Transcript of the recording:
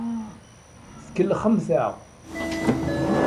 Tkellxemt-aɣ.